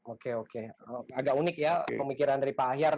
oke oke agak unik ya pemikiran dari pak ahyar